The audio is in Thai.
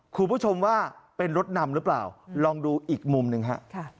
คุณผู้ชมว่าเป็นรถนำหรือเปล่าลองดูอีกมุมหนึ่งฮะ